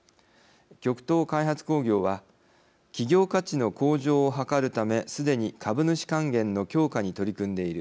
極東開発工業は企業価値の向上を図るためすでに株主還元の強化に取り組んでいる。